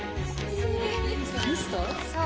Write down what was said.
そう。